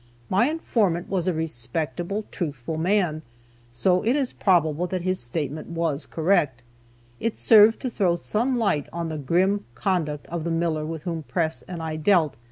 My informant was a respectable, truthful man, so it is probable that his statement was correct. It served to throw some light on the grim conduct of the miller with whom Press and I dealt.